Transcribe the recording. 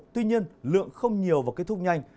tuy nhiên lượng không nhiều và kết thúc nhanh